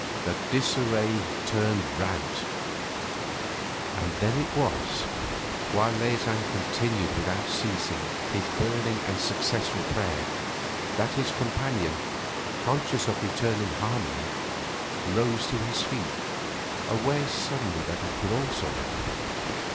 The disarray turned rout. And then it was, while Leysin continued without ceasing his burning and successful prayer, that his companion, conscious of returning harmony, rose to his feet, aware suddenly that he could also help.